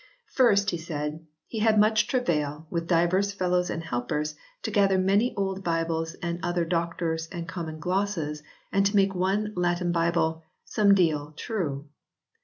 First, he says he had much travail, with divers fellows and helpers, to gather many old Bibles and other doctors and common glosses and to make one Latin Bible "somedeal" true.